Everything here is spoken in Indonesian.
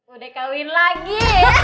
udah kawin lagi